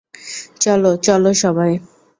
চলো, চলো চলো সবাই।